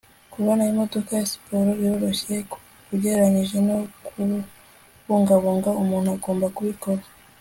kubona imodoka ya siporo biroroshye, ugereranije no kubungabunga umuntu agomba kubikora